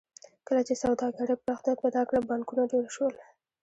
کله چې سوداګرۍ پراختیا پیدا کړه بانکونه ډېر شول